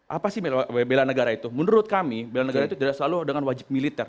apa sih bela negara itu menurut kami bela negara itu tidak selalu dengan wajib militer